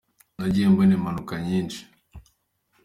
Nagiye mbona impanuka nyinshi